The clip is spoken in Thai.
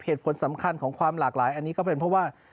เหตุผลสำคัญของความหลากหลายอันนี้ก็เป็นเพราะว่า